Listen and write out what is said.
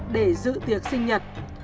để dự tiệc sinh nhật